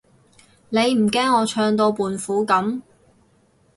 你唔驚我唱到胖虎噉？